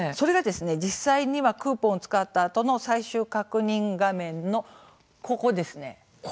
実際にはクーポンを使ったあとの最終確認画面のここですね。